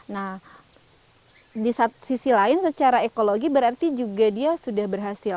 nah di sisi lain secara ekologi berarti juga dia sudah berhasil